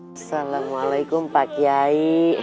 assalamualaikum pak kiai